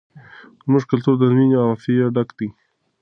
زموږ کلتور له مینې او عاطفې ډک دی.